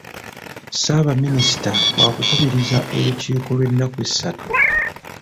Ssabaminisita wakukubiriza olukiiko lw'ennaku essatu.